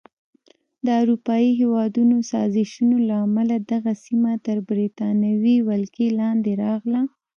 د اروپایي هېوادونو سازشونو له امله دغه سیمه تر بریتانوي ولکې لاندې راغله.